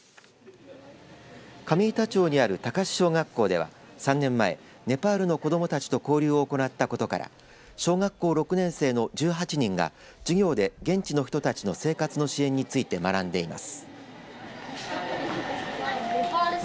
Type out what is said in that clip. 上板町にある高志小学校では３年前ネパールの子どもたちと交流を行ったことから小学６年生の１８人が授業で現地の人たちの生活の支援について学んでいます。